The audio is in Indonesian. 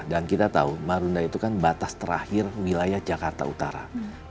dan kita tahu marunda itu kan batas terakhir wilayah jakarta utara